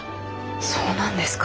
そうなんですか？